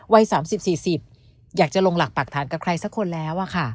วัย๓๐๔๐อยากจะลงหลักปรักฐานกับใครสักคนแล้ว